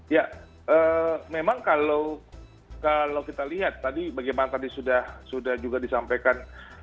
ya memang kalau kita lihat tadi bagaimana tadi sudah juga disampaikan